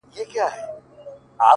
ستا پر ځنگانه اكثر”